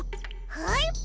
はい！